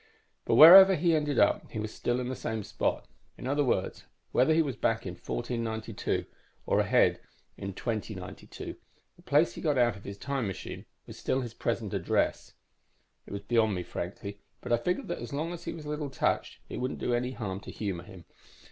But wherever he ended up, he was still in this same spot. In other words, whether he was back in 1492 or ahead in 2092, the place he got out of his time machine was still his present address. "It was beyond me, frankly, but I figured that as long as he was a little touched, it wouldn't do any harm to humor him.